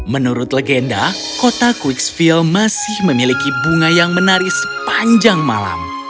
menurut legenda kota quicksville masih memiliki bunga yang menari sepanjang malam